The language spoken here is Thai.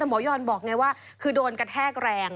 หมอยอนบอกไงว่าคือโดนกระแทกแรง